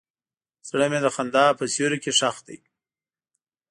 زړه مې د خندا په سیوري کې ښخ دی.